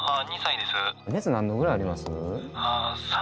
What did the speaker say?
お熱何度ぐらいあります？